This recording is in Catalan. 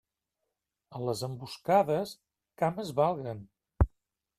A les emboscades, cames valguen.